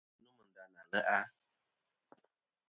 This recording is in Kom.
Ngaŋ sesɨ biyn nômɨ nda na le'a.